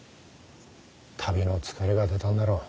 旅の疲れが出たんだろう。